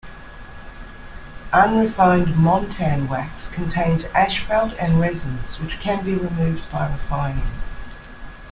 Unrefined montan wax contains asphalt and resins, which can be removed by refining.